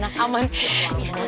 aduh aman anak anak